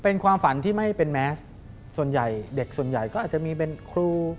เป็นความฝันที่ไม่เป็นแมสส่วนใหญ่เด็กส่วนใหญ่ก็อาจจะมีเป็นครู